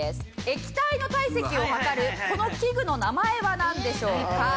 液体の体積をはかるこの器具の名前はなんでしょうか？